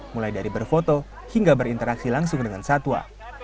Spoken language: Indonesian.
mulai dari berfoto hingga berinteraksi langsung dengan satwa